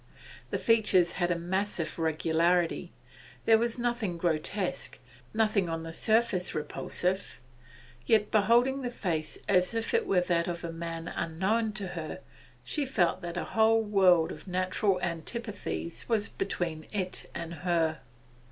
The features had a massive regularity; there was nothing grotesque, nothing on the surface repulsive; yet, beholding the face as if it were that of a man unknown to her, she felt that a whole world of natural antipathies was between it and her.